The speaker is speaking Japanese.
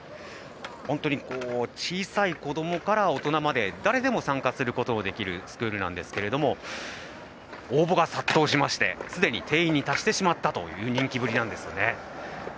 小さい子どもから大人まで誰でも参加することができるスクールなんですけど応募が殺到しましてすぐに定員に達してしまったという人気ぶりなんですね。